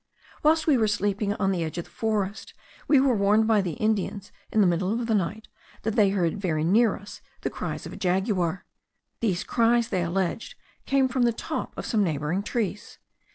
Whilst we were sleeping on the edge of the forest, we were warned by the Indians, in the middle of the night, that they heard very near us the cries of a jaguar. These cries, they alleged, came from the top of some neighbouring trees.